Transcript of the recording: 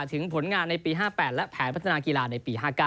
ถึงผลงานในปี๕๘และแผนพัฒนากีฬาในปี๕๙